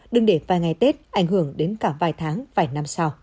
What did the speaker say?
đừng để vài ngày tết ảnh hưởng đến cả vài tháng vài năm sau